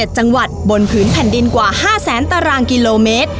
๗จังหวัดบนผืนแผ่นดินกว่า๕แสนตารางกิโลเมตร